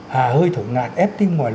hà hơi thở ngạt